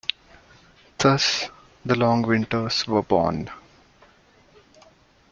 Thus, The Long Winters were born.